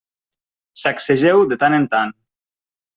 Sacsegeu de tant en tant.